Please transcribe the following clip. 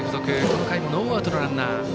この回もノーアウトのランナー。